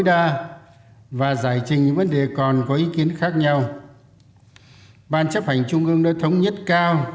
đa và giải trình những vấn đề còn có ý kiến khác nhau ban chấp hành trung ương đã thống nhất cao